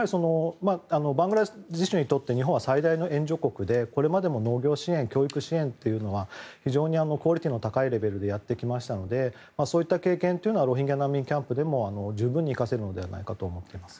バングラデシュにとって日本は最大の援助国でこれまでも農業支援教育支援というのは非常にクオリティーの高いレベルでやってきましたのでそういった経験はロヒンギャ難民キャンプでも十分に生かせるのではないかと思っています。